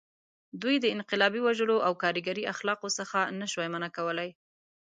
دوی د انقلابي وژلو او کارګري اخلاقو څخه نه شوای منع کولی.